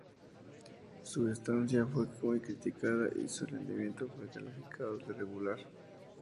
Su estancia fue muy criticada y su rendimiento fue calificado de, "regular".